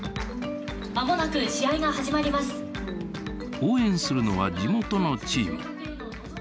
応援するのは地元のチーム。